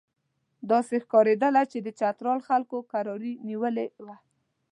داسې ښکارېدله چې د چترال خلکو کراري نیولې وه.